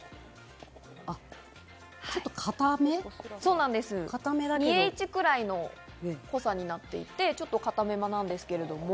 ちょっと硬め？２Ｈくらいの濃さになっていて、ちょっと硬めなんですけれども。